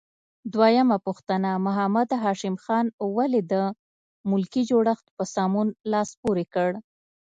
دویمه پوښتنه: محمد هاشم خان ولې د ملکي جوړښت په سمون لاس پورې کړ؟